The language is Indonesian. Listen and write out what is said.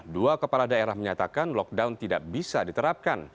dua kepala daerah menyatakan lockdown tidak bisa diterapkan